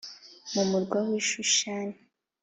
mu murwa w i Shushani